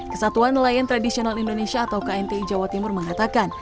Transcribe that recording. kesatuan nelayan tradisional indonesia atau knti jawa timur mengatakan